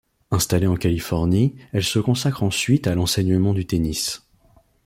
Installée en Californie, elle se consacre ensuite à l'enseignement du tennis.